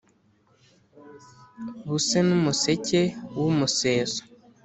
buse n’umuseke w’umuseso